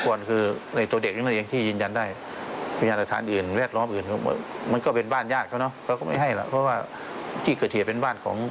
จริงเหมือนกับฝ่ายจระดับ